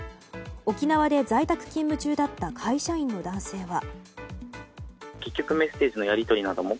沖縄で在宅勤務中だった会社員の男性は。